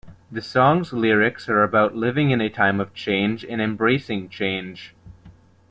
The song's lyrics are about living in a time of change and embracing change.